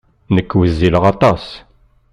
Nekk wezzileɣ aṭas.